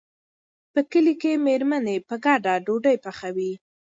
په کلي کې مېرمنې په ګډه ډوډۍ پخوي.